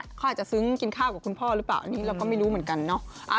เขาอาจจะซึ้งกินข้าวกับคุณพ่อหรือเปล่าอันนี้เราก็ไม่รู้เหมือนกันเนาะ